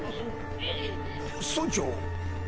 村長。